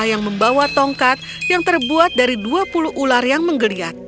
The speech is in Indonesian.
yang membawa tongkat yang terbuat dari dua puluh ular yang menggeliat